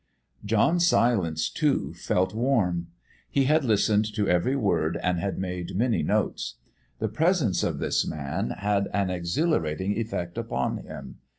John Silence, too, felt warm. He had listened to every word and had made many notes. The presence of this man had an exhilarating effect upon him.